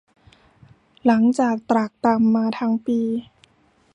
หลังจากตรากตรำมาทั้งปี